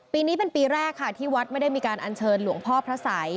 ปีนี้เป็นปีแรกค่ะที่วัดไม่ได้มีการอัญเชิญหลวงพ่อพระสัย